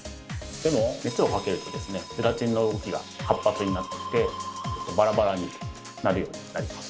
でも熱をかけるとですねゼラチンの動きが活発になってきてバラバラになるようになります。